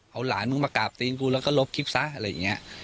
เอาหลานมึงมากราบตีนกูแล้วก็ลบคลิปซะอะไรอย่างนี้